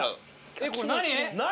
えっこれ何？何？